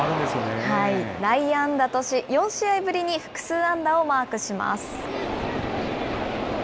内野安打とし、４試合ぶりに複数安打をマークします。